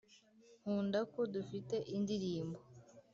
nkunda ko dufite "indirimbo"